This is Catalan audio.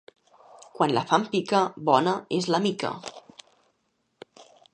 Quan la fam pica bona és la mica.